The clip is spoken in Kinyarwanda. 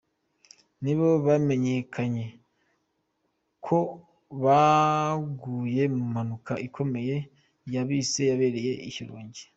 nibo bamenyekanye ko baguye mu mpanuka ikomeye ya bisi yabereye i Shyorongi .